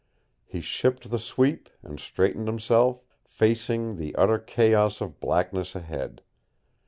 He shipped the sweep and straightened himself, facing the utter chaos of blackness ahead.